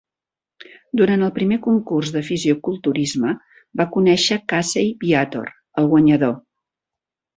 Durant el primer concurs de fisioculturisme va conèixer Casey Viator, el guanyador.